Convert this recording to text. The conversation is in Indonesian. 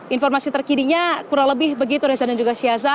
informasi terkininya kurang lebih begitu reza dan juga syaza